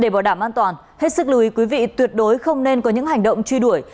cảm an toàn hết sức lưu ý quý vị tuyệt đối không nên có những hành động truy đuổi